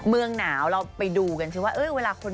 เมืองหนาวเราไปดูกันสิว่าเวลาคน